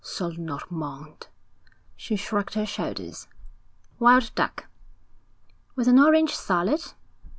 'Sole Normande.' She shrugged her shoulders. 'Wild duck.' 'With an orange salad?'